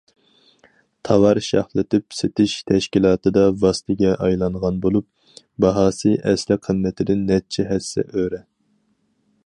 تاۋار شاخلىتىپ سېتىش تەشكىلاتىدا ۋاسىتىگە ئايلانغان بولۇپ، باھاسى ئەسلى قىممىتىدىن نەچچە ھەسسە ئۆرە.